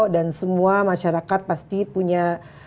dan semua masyarakat pasti punya